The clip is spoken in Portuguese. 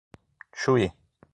Chuí